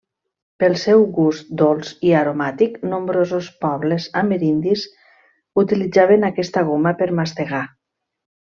Pel seu gust dolç i aromàtic, nombrosos pobles amerindis utilitzaven aquesta goma per mastegar.